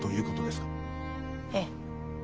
ええ。